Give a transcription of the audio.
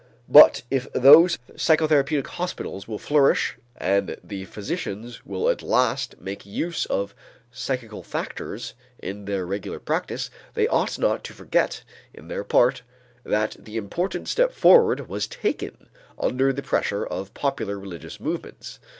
But if those psychotherapeutic hospitals will flourish and the physicians will at last make use of psychical factors in their regular practice, they ought not to forget on their part that the important step forward was taken under the pressure of popular religious movements.